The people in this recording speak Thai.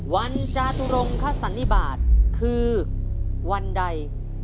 จาตุรงคสันนิบาทคือวันใด